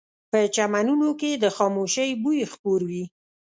په چمنونو کې د خاموشۍ بوی خپور وي